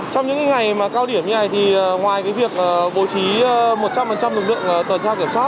trong những cái ngày mà cao điểm như này thì ngoài cái việc bồi trí một trăm linh lực lượng tần tra kiểm soát trên các tuyến địa bàn của đơn vị phân công